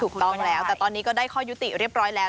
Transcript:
ถูกต้องแล้วแต่ตอนนี้ก็ได้ข้อยุติเรียบร้อยแล้ว